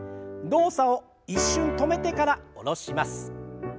動作を一瞬止めてから下ろします。